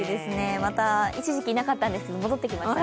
また一時期、いなかったんですが戻ってきましたね。